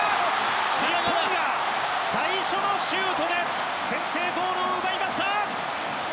日本が、最初のシュートで先制ゴールを奪いました！